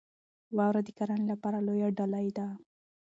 واوره د کرنې لپاره لویه ډالۍ ده.